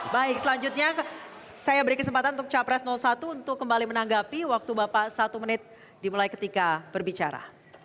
baik selanjutnya saya beri kesempatan untuk capres satu untuk kembali menanggapi waktu bapak satu menit dimulai ketika berbicara